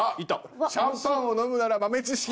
シャンパンを飲むなら豆知識。